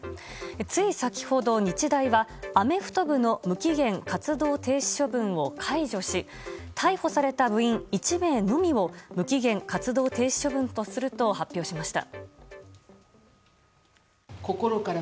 つい先ほど、日大はアメフト部の無期限活動停止処分を解除し逮捕された部員１名のみを無期限活動停止処分とすると発表しました。